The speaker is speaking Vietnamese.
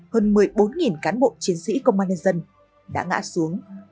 hơn một mươi bốn cán bộ chiến sĩ công an nhân dân đã ngã xuống